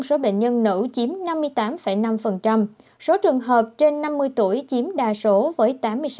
số bệnh nhân nữ chiếm năm mươi tám năm số trường hợp trên năm mươi tuổi chiếm đa số với tám mươi sáu